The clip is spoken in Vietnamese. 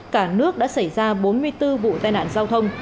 cả nước đã xảy ra bốn mươi bốn vụ tai nạn giao thông